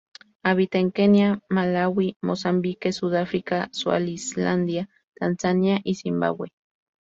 Habita en Kenia, Malaui, Mozambique, Sudáfrica, Suazilandia, Tanzania y Zimbabue.